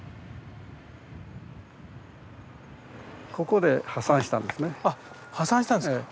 ここで破産したんですね。